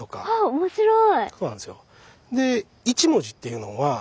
面白い。